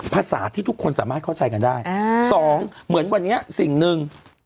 ภาษาที่ทุกคนสามารถเข้าใจกันได้อ่าสองเหมือนวันนี้สิ่งหนึ่ง